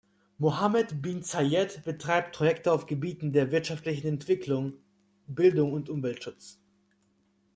Mohammed Bin Zayed betreibt Projekte auf Gebieten der wirtschaftlichen Entwicklung, Bildung und Umweltschutz.